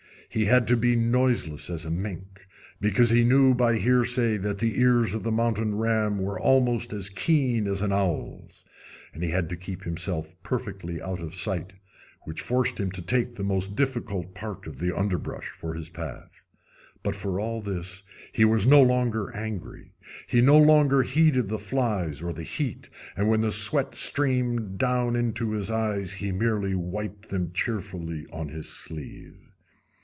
He had to be noiseless as a mink, because he knew by hearsay that the ears of the mountain ram were almost as keen as an owl's. And he had to keep himself perfectly out of sight, which forced him to take the most difficult part of the underbrush for his path. But, for all this, he was no longer angry; he no longer heeded the flies or the heat, and when the sweat streamed down into his eyes he merely wiped them cheerfully on his sleeve.